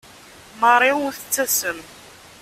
Marie ur tettasem.